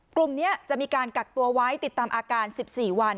กลุ่มนี้จะมีการกักตัวไว้ติดตามอาการ๑๔วัน